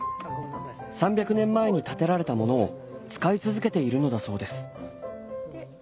３００年前に建てられたものを使い続けているのだそうです。